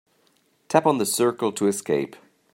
Tap on the circle to escape.